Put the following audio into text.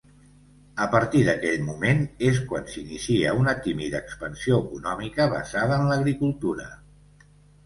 A partir d'aquell moment és quan s'inicia una tímida expansió econòmica basada en l'agricultura.